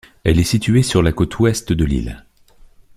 Elle est située sur la côte ouest de l'île.